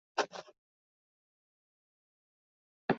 清朝雍正年间因人工围垦形成半岛。